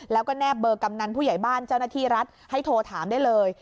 แล้วก็แนบเบอร์กำนันผู้ใหญ่บ้านเจ้าหน้าที่รัฐให้โทรถามได้เลย